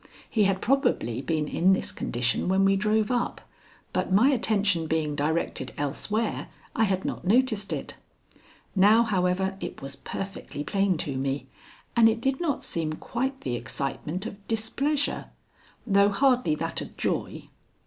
He had probably been in this condition when we drove up, but my attention being directed elsewhere I had not noticed it. Now, however, it was perfectly plain to me, and it did not seem quite the excitement of displeasure, though hardly that of joy.